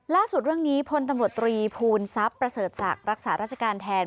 เรื่องนี้พลตำรวจตรีภูมิทรัพย์ประเสริฐศักดิ์รักษาราชการแทน